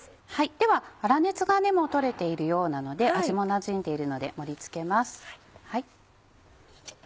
では粗熱がもう取れているようなので味もなじんでいるので盛り付けます。